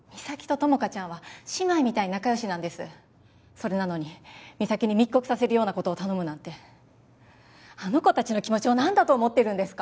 それなのに実咲に密告させるようなことを頼むなんてあの子達の気持ちを何だと思ってるんですか